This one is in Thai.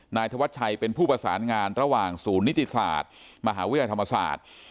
นายธวัชชัยเป็นผู้ประสานงานระหว่างศูนย์นิติศาสตร์มหาวิทยาลัยธรรมศาสตร์